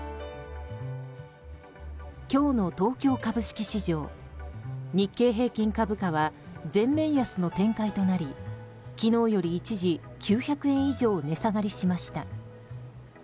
今日の東京株式市場日経平均株価は全面安の展開となり昨日より一時９００円以上値下がりしました。